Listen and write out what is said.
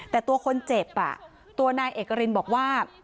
แต่ตัวคนเจ็บตัวนายเอกรินบอกว่า